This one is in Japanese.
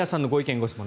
・ご質問